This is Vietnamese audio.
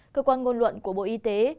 cơ quan ngôn luận của bộ y tế